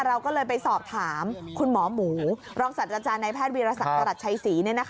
เราก็เลยไปสอบถามคุณหมอหมูรองศัตว์อาจารย์ในแพทย์วีรศักดิ์จรัสชัยศรี